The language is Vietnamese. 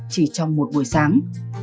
chỉ trong một buổi sáng